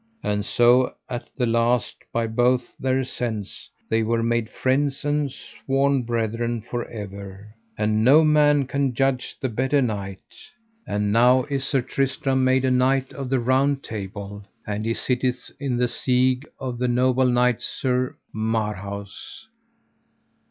And so at the last, by both their assents, they were made friends and sworn brethren for ever, and no man can judge the better knight. And now is Sir Tristram made a knight of the Round Table, and he sitteth in the siege of the noble knight, Sir Marhaus.